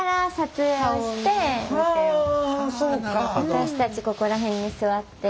私たちここら辺に座って。